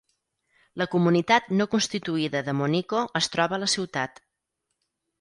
La comunitat no constituïda de Monico es troba a la ciutat.